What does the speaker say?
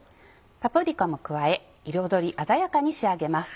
パプリカも加え彩り鮮やかに仕上げます。